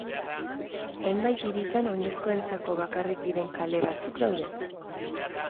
Zenbait hiritan oinezkoentzako bakarrik diren kale batzuk daude.